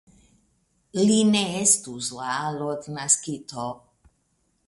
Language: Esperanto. Li ne estus la alodnaskito!